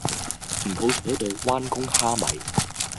唔好坐到攣弓蝦米